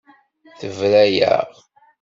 Tebra-yaɣ.